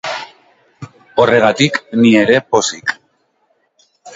Horregatik, ni ere pozik.